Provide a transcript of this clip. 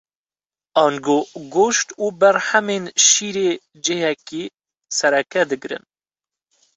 Ango goşt û berhemên şîrê cihekê sereke digirin.